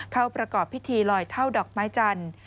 เข้าประกอบพิธีลอยเท่าดอกไม้จันทร์